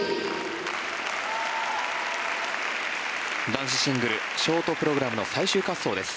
男子シングルショートプログラムの最終滑走です。